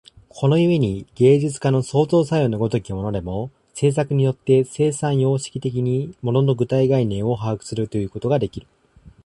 この故に芸術家の創造作用の如きものでも、制作によって生産様式的に物の具体概念を把握するということができる。